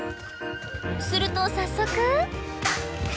すると早速。